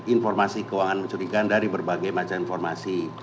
informasi keuangan mencurigakan dari berbagai macam informasi